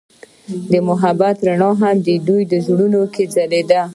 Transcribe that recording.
د محبت رڼا هم د دوی په زړونو کې ځلېده.